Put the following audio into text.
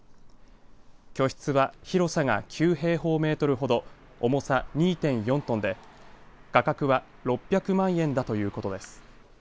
居室は広さが９平方メートルほど重さ２．４トンで価格は６００万円だということです。